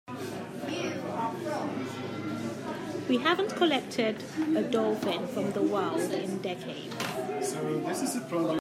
We haven't collected a dolphin from the wild in decades.